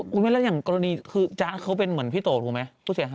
คุณแม่แล้วอย่างกรณีคือจ๊ะเขาเป็นเหมือนพี่โตถูกไหมผู้เสียหาย